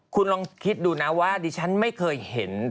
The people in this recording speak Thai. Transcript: คุณลองคิดดูนะว่าดิฉันไม่เคยเห็น